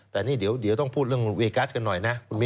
แต่นี่เดี๋ยวต้องพูดเรื่องเวกัสกันหน่อยนะคุณมิน